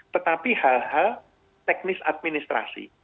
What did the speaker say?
tetapi hal hal teknis administrasi